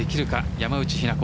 山内日菜子